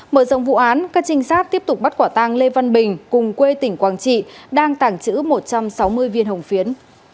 mở rộng vụ án các trinh sát tiếp tục bắt quả tàng lê văn bình cùng quê tỉnh quảng trị đang tàng trữ một trăm sáu mươi viên hồng phiến